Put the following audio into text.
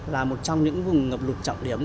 là một trong những vùng ngập lụt trọng điểm